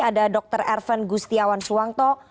ada dokter ervan gustiawan suwanto